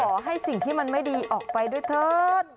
ขอให้สิ่งที่มันไม่ดีออกไปด้วยเถิด